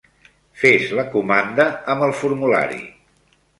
Fes la comanda amb el formulari.